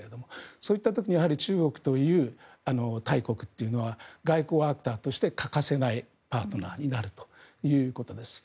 そういった時に中国という大国というのは外交アクターとして欠かせないパートナーになるということです。